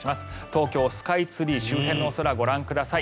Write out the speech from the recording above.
東京スカイツリー周辺のお空ご覧ください。